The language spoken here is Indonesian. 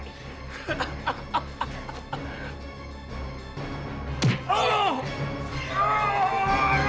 kalahkan diriku denganannel ini